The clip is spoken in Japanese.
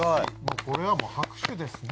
これはもう拍手ですね。